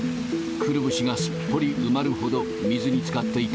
くるぶしがすっぽり埋まるほど、水につかっていた。